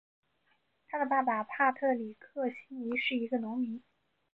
他的爸爸帕特里克希尼是一个农民。